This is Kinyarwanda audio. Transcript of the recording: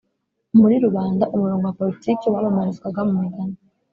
muri rubanda, umurongo wa politiki wamamarizwaga mu migani